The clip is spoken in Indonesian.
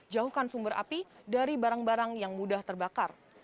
jauhkan sumber api dari barang barang yang mudah terbakar